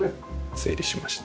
整理しました。